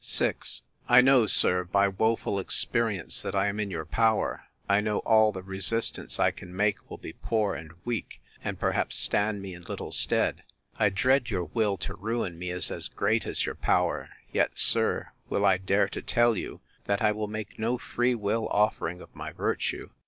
VI. I know, sir, by woful experience, that I am in your power: I know all the resistance I can make will be poor and weak, and, perhaps, stand me in little stead: I dread your will to ruin me is as great as your power: yet, sir, will I dare to tell you, that I will make no free will offering of my virtue.